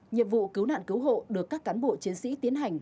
nhiệm vụ cứu nạn cứu hộ được các cán bộ chiến sĩ tiến hành